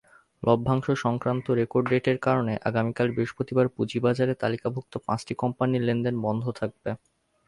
লভ্যাংশ-সংক্রান্ত record ডেটের কারণে আগামীকাল বৃহস্পতিবার পুঁজিবাজারে তালিকাভুক্ত পাঁচটি কোম্পানির লেনদেন বন্ধ থাকবে।